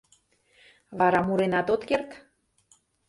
Вара муренат от керт.